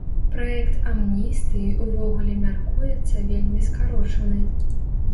Праект амністыі ўвогуле мяркуецца вельмі скарочаны.